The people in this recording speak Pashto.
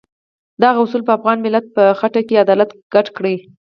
دغه اصول په افغان ملت په خټه کې عدالت ګډ کړی.